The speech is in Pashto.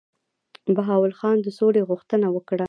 بهاول خان د سولي غوښتنه وکړه.